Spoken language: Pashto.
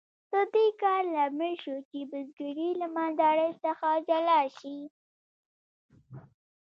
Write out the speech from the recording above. د دې کار لامل شو چې بزګري له مالدارۍ څخه جلا شي.